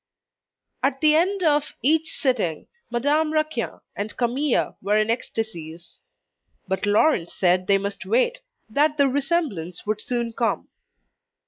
At the end of each sitting, Madame Raquin and Camille were in ecstasies. But Laurent said they must wait, that the resemblance would soon come.